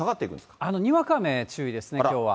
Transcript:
にわか雨注意ですね、きょうは。